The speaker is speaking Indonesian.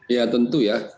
ya tentu ya